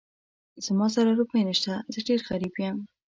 زما سره روپۍ نه شته، زه ډېر غريب يم.